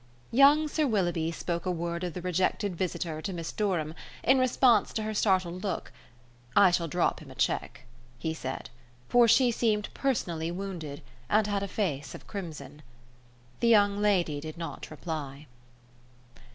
Young Sir Willoughby spoke a word of the rejected visitor to Miss Durham, in response to her startled look: "I shall drop him a cheque," he said, for she seemed personally wounded, and had a face of crimson. The young lady did not reply.